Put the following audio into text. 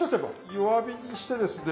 弱火にしてですね。